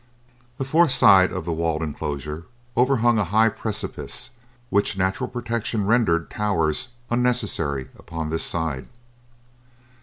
The fourth side of the walled enclosure overhung a high precipice, which natural protection rendered towers unnecessary upon this side.